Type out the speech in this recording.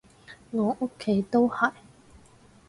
我屋企都係